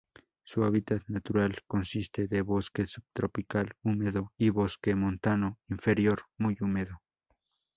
Su hábitat natural consiste de bosque subtropical húmedo y bosque montano inferior muy húmedo.